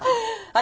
私？